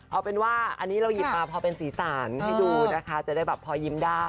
เอาเป็นว่าอันนี้เราหยิบมาพอเป็นสีสันให้ดูนะคะจะได้แบบพอยิ้มได้